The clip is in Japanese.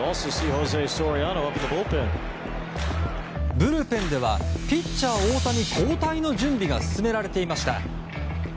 ブルペンではピッチャー大谷交代の準備が進められていました。